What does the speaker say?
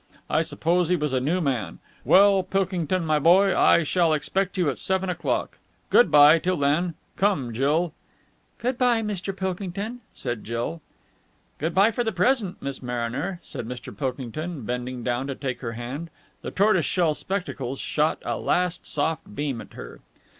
I suppose he was a new man. Well, Pilkington, my boy, I shall expect you at seven o'clock. Good bye till then. Come, Jill." "Good bye, Mr. Pilkington," said Jill. "Good bye for the present, Miss Mariner," said Mr. Pilkington, bending down to take her hand. The tortoise shell spectacles shot a last soft beam at her.